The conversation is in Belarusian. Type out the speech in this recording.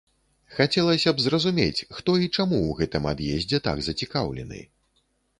Хацелася б зразумець, хто і чаму ў гэтым ад'ездзе так зацікаўлены.